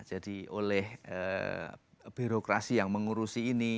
jadi oleh birokrasi yang mengurusi ini